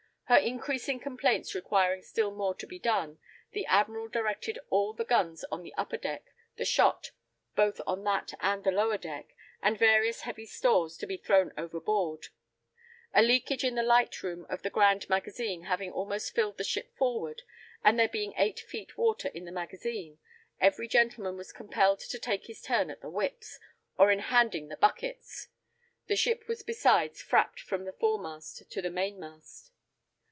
Her increasing complaints requiring still more to be done, the admiral directed all the guns on the upper deck, the shot, both on that and the lower deck, and various heavy stores to be thrown overboard; a leakage in the light room of the grand magazine having almost filled the ship forward, and there being eight feet water in the magazine, every gentleman was compelled to take his turn at the whips, or in handing the buckets. The ship was besides frapped from the fore mast to the main mast.